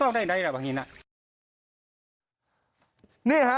เนี้ยเฮฟ